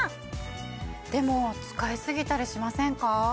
でも使い過ぎたりしませんか？